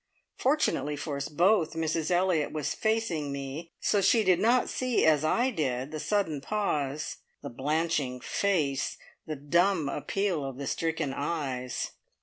Fortunately for us both, Mrs Elliott was facing me, so she did not see, as I did, the sudden pause, the blanching face, the dumb appeal of the stricken eyes.